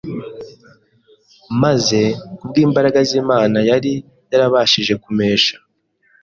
maze kubw'imbaraga z'Imana, yari yarabashije kumesha